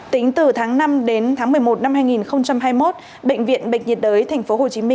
tính từ tháng năm đến tháng một mươi một năm hai nghìn hai mươi một bệnh viện bệnh nhiệt đới tp hcm